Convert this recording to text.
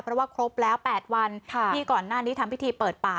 เพราะว่าครบแล้ว๘วันที่ก่อนหน้านี้ทำพิธีเปิดป่า